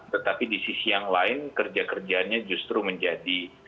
tetapi di sisi yang lain kerja kerjanya justru menjadi